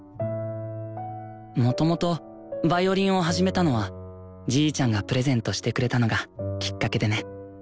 もともとヴァイオリンを始めたのはじいちゃんがプレゼントしてくれたのがきっかけでね。